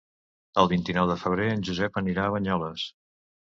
El vint-i-nou de febrer en Josep anirà a Banyoles.